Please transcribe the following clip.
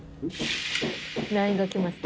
ＬＩＮＥが来ました。